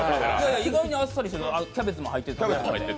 意外とあっさり、キャベツも入ってて。